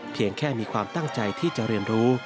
เพียงแค่มีความตั้งใจที่จะเรียนรู้